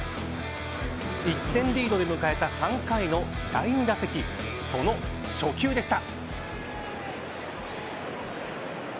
１点リードで迎えた３回の第２打席その初球でした。